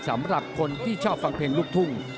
สำหรับคนที่ชอบฟังเพลงลูกทุ่ง